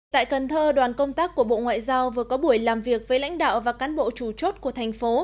tại cần thơ đoàn công tác của bộ ngoại giao vừa có buổi làm việc với lãnh đạo và cán bộ chủ chốt của thành phố